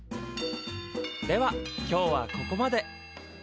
では今日はここまで。